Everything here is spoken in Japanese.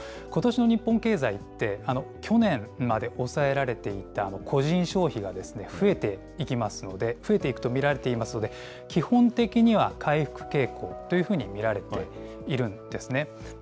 ことしの日本経済って、去年まで抑えられていた個人消費が増えていきますので、増えていくと見られていますので、基本的には回復傾向というふうに見られているんですね。